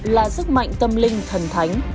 là sức mạnh tâm linh thần thánh